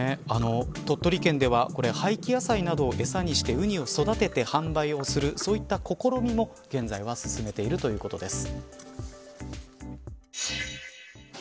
鳥取県ではこれ廃棄野菜などを餌にしてウニを育てて販売するそういった試みも現在は進めているということです。